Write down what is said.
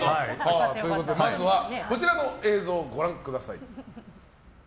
まずはこちらの映像をご覧ください。